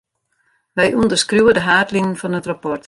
Wy ûnderskriuwe de haadlinen fan it rapport.